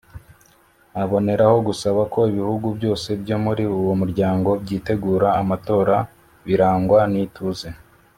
aboneraho gusaba ko ibihugu byose byo muri uwo muryango byitegura amatora birangwa n’ituze